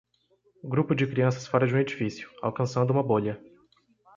grupo de crianças fora de um edifício, alcançando uma bolha